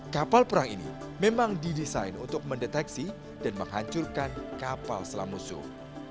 kapal perang ini memang didesain untuk mendeteksi dan menghancurkan kapal selam musuh